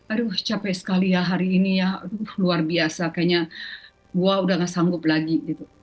aduh capek sekali ya hari ini ya aduh luar biasa kayaknya gue udah gak sanggup lagi gitu